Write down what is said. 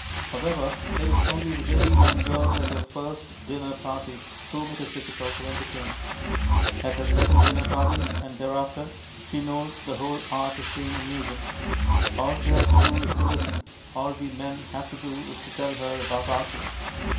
However, it is only the very young girl at her first dinner party whom it is difficult to entertain. At her second dinner party, and thereafter, she knows the whole art of being amusing. All she has to do is to listen; all we men have to do is to tell her about ourselves.